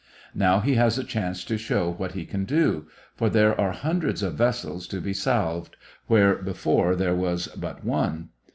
Now he has a chance to show what he can do, for there are hundreds of vessels to be salved where before there was but one.